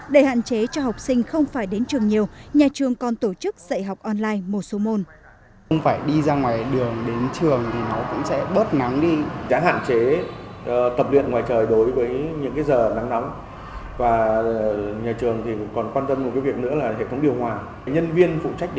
để hạn chế cho học sinh không phải đến trường nhiều nhà trường còn tổ chức dạy học online một số môn